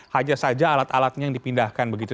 hanya saja alat alatnya yang dipindahkan begitu